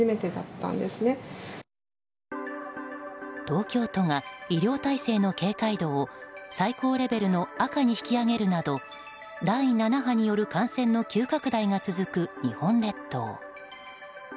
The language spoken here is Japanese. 東京都が医療体制の警戒度を最高レベルの赤に引き上げるなど第７波による感染の急拡大が続く日本列島。